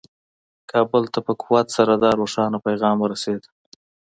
کابل ته په قوت سره دا روښانه پیغام ورسېد.